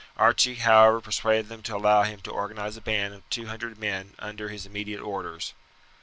Archie, however, persuaded them to allow him to organize a band of two hundred men under his immediate orders.